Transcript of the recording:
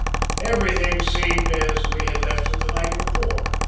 Everything seemed as we had left it the night before.